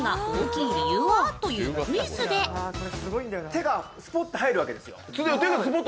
手がスポッと入るわけですよ。